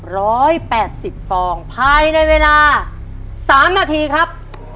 ร้อยแปดสิบฟองภายในเวลาสามนาทีครับ